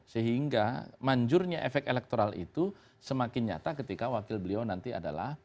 sehingga manjurnya efek elektoral itu semakin nyata ketika wakil beliau nanti adalah